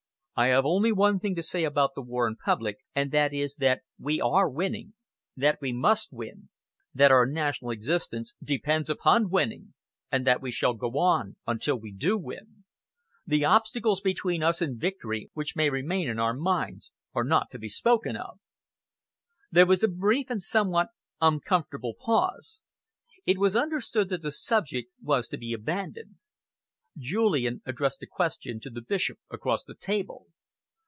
"I have only one thing to say about the war in public, and that is that we are winning, that we must win, that our national existence depends upon winning, and that we shall go on until we do win. The obstacles between us and victory, which may remain in our minds, are not to be spoken of." There was a brief and somewhat uncomfortable pause. It was understood that the subject was to be abandoned. Julian addressed a question to the Bishop across the table.